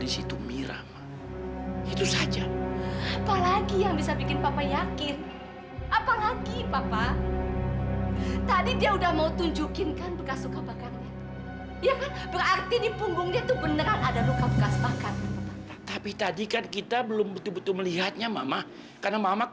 sampai jumpa di video selanjutnya